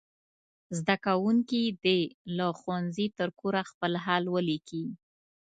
زده کوونکي دې له ښوونځي تر کوره خپل حال ولیکي.